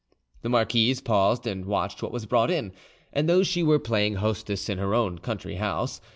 The marquise paused and watched what was brought in, as though she were playing hostess in her own country house.